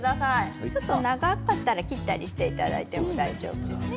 長かったら切ったりしていただいても大丈夫です。